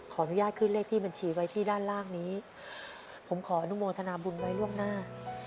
ขออนุญาตขึ้นเลขที่บัญชีไว้ที่ด้านล่างนี้ผมขออนุโมทนาบุญไว้ล่วงหน้า